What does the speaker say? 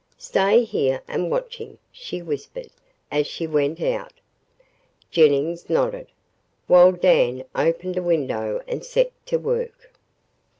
"Stay here and watch him," she whispered as she went out. Jennings nodded, while Dan opened a window and set to work.